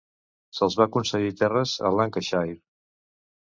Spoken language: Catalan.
Se'ls va concedir terres a Lancashire.